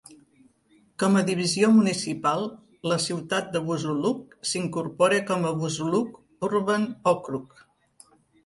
Com a divisió municipal, la ciutat de Buzuluk s'incorpora com a Buzuluk Urban Okrug.